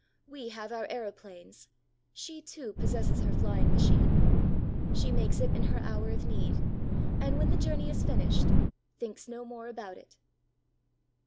We have our aeroplanes; she too possesses her flying machine. She makes it in her hour of need, and when the journey is finished thinks no more about it.